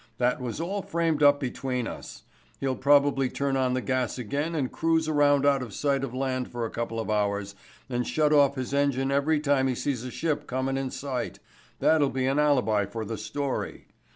That was all framed up between us. He'll probably turn on the gas again and cruise around out of sight of land for a couple of hours and shut off his engine every time he sees a ship comin' in sight. That'll be an alibi for the story.